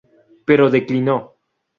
Pero declinó.